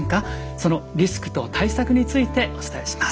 そのリスクと対策についてお伝えします。